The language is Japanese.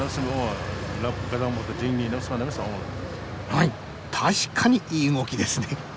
はい確かにいい動きですね。